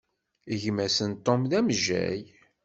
Gma-s n Tom, d amejjay.